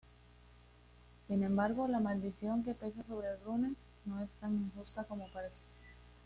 Sin embargo, la maldición que pesa sobre Rune no es tan injusta como parece...